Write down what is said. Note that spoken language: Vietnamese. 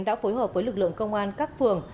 đã phối hợp với lực lượng công an các phường